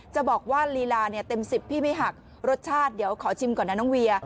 จะบอกว่าลีลาเนี่ยเต็ม๑๐พี่ไม่หักรสชาติเดี๋ยวขอชิมก่อนนะน้องเวีย